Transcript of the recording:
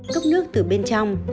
cấp nước từ bên trong